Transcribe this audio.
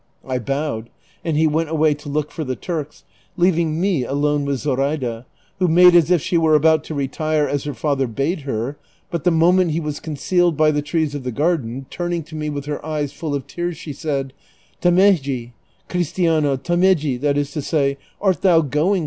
I bowed, and he went away to look for the Turks, leaving me alone with Zoraida, wlio made as if she were about to retire as her father bade her ; but the moment he was concealed by the trees of the garden, turning to me with her eyes full of tears she said, "Tameji, cristiano, tameji? " that is to say, "Art thou going.